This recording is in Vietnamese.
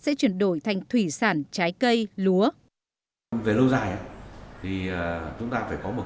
sẽ chuyển đổi thành thủy sản trái cây lúa